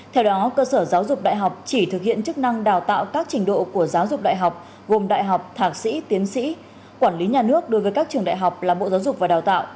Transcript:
theo đó cơ sở giáo dục đại học chỉ thực hiện chức năng đào tạo các trình độ của giáo dục đại học gồm đại học thạc sĩ tiến sĩ quản lý nhà nước đối với các trường đại học là bộ giáo dục và đào tạo